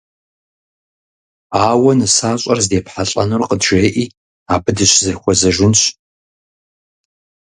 Ауэ нысащӏэр здепхьэлӀэнур къыджеӀи, абы дыщызэхуэзэжынщ.